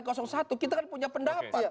kita kan punya pendapat